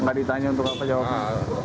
nggak ditanya untuk apa jawabannya